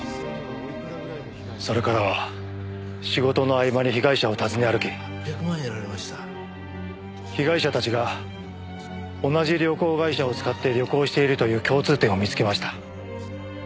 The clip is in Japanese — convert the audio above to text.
それからは仕事の合間に被害者を訪ね歩き被害者たちが同じ旅行会社を使って旅行をしているという共通点を見つけました。